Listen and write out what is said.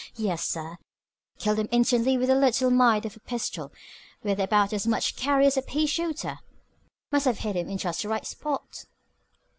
Yes, sir! Killed him instantly with a little mite of a pistol with about as much carry as a pea shooter. Must have hit him in just the right spot."